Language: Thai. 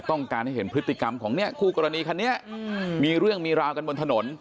ต้องการให้เห็นพฤติกรรมของเนี่ยคู่กรณีคันนี้มีเรื่องมีราวกันบนถนน